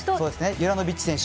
ユラノビッチ選手。